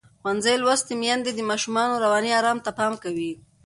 ښوونځې لوستې میندې د ماشومانو رواني آرام ته پام کوي.